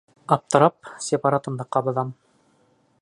Аптырап, сепаратымды ҡабыҙам.